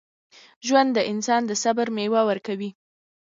ژوند د انسان د صبر میوه ورکوي.